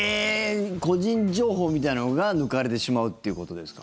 個人情報みたいなのが抜かれてしまうってことですか。